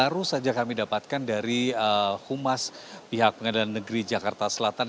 baru saja kami dapatkan dari humas pihak pengadilan negeri jakarta selatan